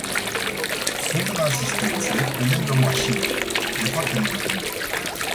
Sunt în asistențe pe lângă mașini, de foarte mult timp.